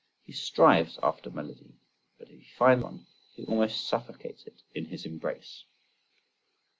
He strives after melody; but if he finds one, he almost suffocates it in his embrace.